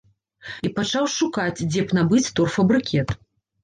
І пачаў шукаць, дзе б набыць торфабрыкет.